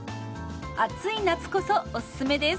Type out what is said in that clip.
暑い夏こそおすすめです。